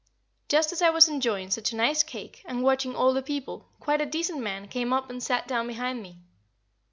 Just as I was enjoying such a nice cake, and watching all the people, quite a decent man came up and sat down behind me.